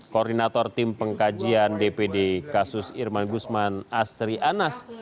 koordinator tim pengkajian dpd kasus irman gusman asri anas